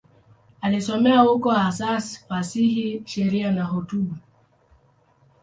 Alisomea huko, hasa fasihi, sheria na hotuba.